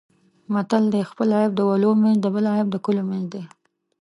متل دی: خپل عیب د ولو منځ د بل عیب د کلو منځ دی.